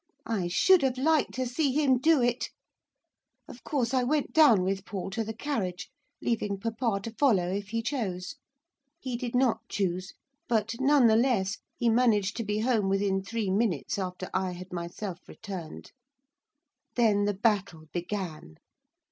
I should have liked to see him do it. Of course I went down with Paul to the carriage, leaving papa to follow if he chose. He did not choose, but, none the less, he managed to be home within three minutes after I had myself returned. Then the battle began.